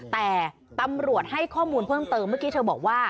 แต่ตำรวจให้ข้อมูลเพิ่มเติมเมื่อกี้เธอบอกว่า